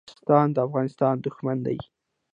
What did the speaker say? پاکستان د افغانستان دښمن دی.